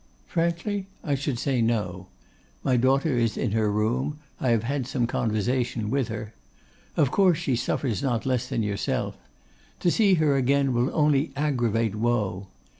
'Frankly, I should say, no. My daughter is in her room; I have had some conversation with her. Of course she suffers not less than yourself. To see her again will only aggravate woe.